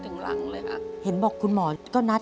ทำงานชื่อนางหยาดฝนภูมิสุขอายุ๕๔ปี